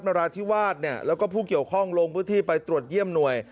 นราธิวาสเนี่ยแล้วก็ผู้เกี่ยวข้องลงพื้นที่ไปตรวจเยี่ยมหน่วย